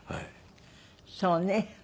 そうね。